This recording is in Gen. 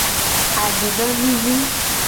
Adidovivi.